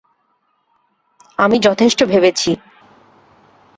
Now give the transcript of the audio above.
আমি যথেষ্ট ভেবেছি।